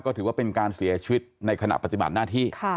ก็ถือว่าเป็นการเสียชีวิตในขณะปฏิบัติหน้าที่